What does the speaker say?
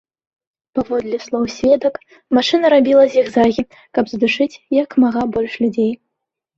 Паводле слоў сведак, машына рабіла зігзагі, каб задушыць як мага больш людзей.